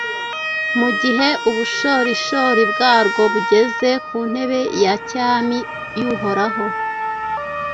mu gihe ubushorishori bwarwo bugeze ku ntebe ya cyami y’Uhoraho.